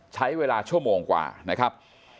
ใช้เวลาชั่วโมงกว่านะครับ